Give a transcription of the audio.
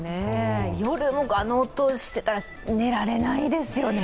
夜もあの音してたら、寝られないですよね。